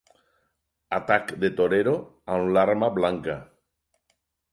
Atac de torero amb l'arma blanca.